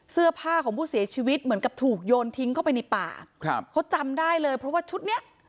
เสื้อผ้าของผู้เสียชีวิตเหมือนกับถูกโยนทิ้งเข้าไปในป่าครับเขาจำได้เลยเพราะว่าชุดเนี้ย